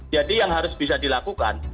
jadi yang harus bisa dilakukan